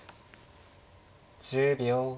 １０秒。